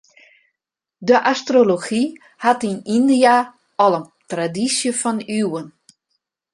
De astrology hat yn Yndia al in tradysje fan iuwen.